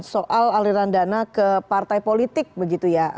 soal aliran dana ke partai politik begitu ya